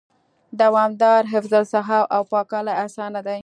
دوامدار حفظ الصحه او پاکوالي آسانه دي